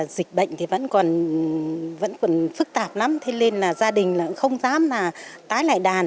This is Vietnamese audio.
dịch bệnh vẫn còn phức tạp lắm thế nên gia đình không dám tái lại đàn